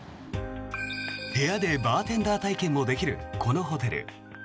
部屋でバーテンダー体験もできるこのホテル。